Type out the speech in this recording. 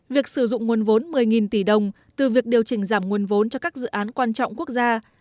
việc sử dụng nguồn vốn một mươi tỷ đồng từ việc điều chỉnh giảm nguồn vốn cho các dự án quan trọng quốc gia